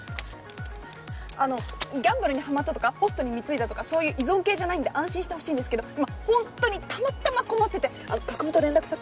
あのギャンブルにハマったとかホストに貢いだとかそういう依存系じゃないんで安心してほしいんですけど今ホントにたまたま困っててあの学部と連絡先。